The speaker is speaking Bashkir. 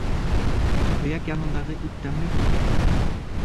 Һөйәк янындағы ит тәмле була.